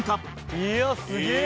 「いやすげえ！」